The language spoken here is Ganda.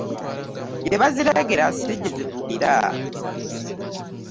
Gye baziregera si gyezivugira .